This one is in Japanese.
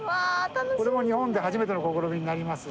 これも日本で初めての試みになります。